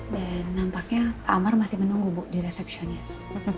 dan nampaknya pak amar masih menunggu bu di resepsionis